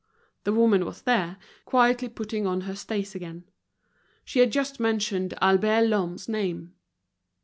The woman was there, quietly putting on her stays again. She had just mentioned Albert Lhomme's name.